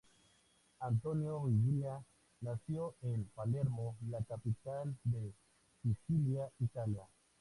Antonio Ingria nació en Palermo, la capital de Sicilia, Italia.